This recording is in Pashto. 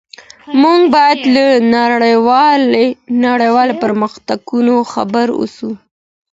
موږ بايد له نړيوالو پرمختګونو خبر اوسو.